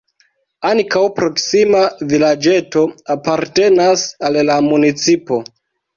Ankaŭ proksima vilaĝeto apartenas al la municipo.